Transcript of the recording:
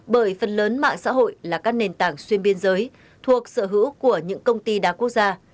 bởi phần lớn mạng xã hội là các nền tảng xuyên biên giới thuộc sở hữu của những công ty đa quốc gia